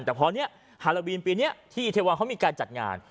แต่เพราะฮาราวินปีนี้ที่อีเทวาอ่ะเขามีการจัดงาน